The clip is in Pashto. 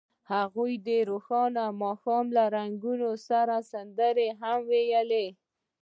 هغوی د روښانه ماښام له رنګونو سره سندرې هم ویلې.